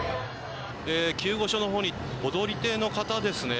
救護所のほうに踊り手の方ですね